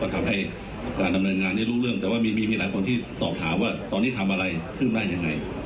แต่ว่ามีมีมีหลายคนที่สอบถามว่าตอนนี้ทำอะไรขึ้นได้ยังไง